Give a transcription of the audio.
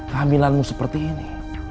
hamilanmu seperti ini